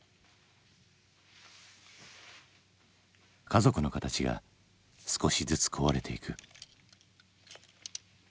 家族の形が少しずつ壊れていく。